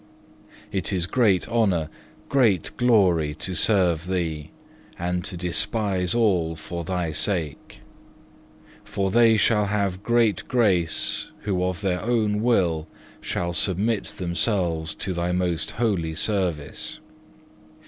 5. It is great honour, great glory to serve Thee, and to despise all for Thy sake. For they shall have great grace who of their own will shall submit themselves to Thy most holy service.